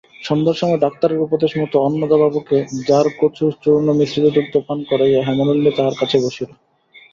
সন্ধ্যার সময় ডাক্তারের উপদেশমত অন্নদাবাবুকে জারকচূর্ণমিশ্রিত দুগ্ধ পান করাইয়া হেমনলিনী তাঁহার কাছে বসিল।